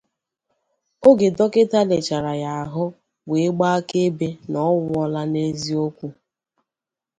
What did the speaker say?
oge dọkịta lèchààrà ya ahụ wee gbaa akaebe na ọ nwụọla n'eziokwu.